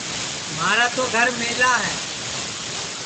مھارا تو گھر میلا ہے